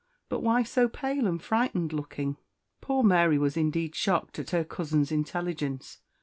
But why so pale and frightened looking?" Poor Mary was indeed shocked at her cousin's intelligence.